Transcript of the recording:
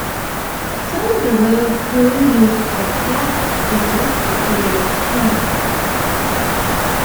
Some of the road crew used their jacket zippers to create sound.